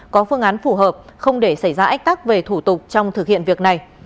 có phương án phù hợp không để xảy ra ách tắc về thủ tục trong thực hiện việc này